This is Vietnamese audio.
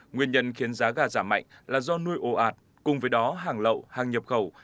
nguyên nhân khiến giá gà giảm mạnh là do nuôi ồ ạt cùng với đó hàng lậu hàng nhập khẩu